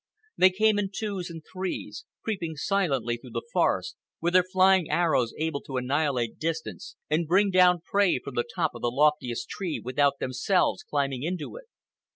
They came in twos and threes, creeping silently through the forest, with their flying arrows able to annihilate distance and bring down prey from the top of the loftiest tree without themselves climbing into it.